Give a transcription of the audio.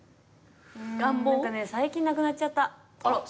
何かね最近なくなっちゃった。